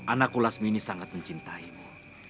anakku lasmini sangat mencintaimu